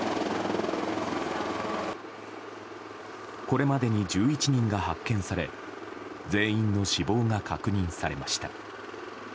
これまでに１１人が発見され全員の死亡が確認されました。